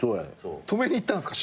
止めにいったんすか！？